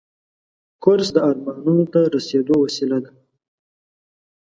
کورس د ارمانونو ته رسیدو وسیله ده.